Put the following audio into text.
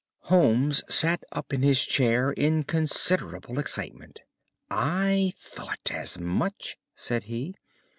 Holmes sat up in his chair in considerable excitement. "I thought as much," said he.